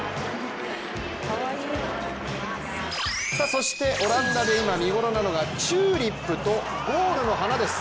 そして、オランダで今、見頃なのがチューリップとゴールの花です。